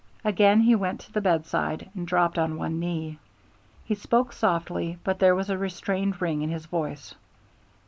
Again he went to the bedside and dropped on one knee. He spoke softly, but there was a restrained ring in his voice.